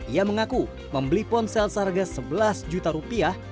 ia mengaku membeli ponsel seharga rp sebelas juta